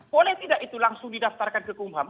boleh tidak itu langsung didaftarkan ke kum ham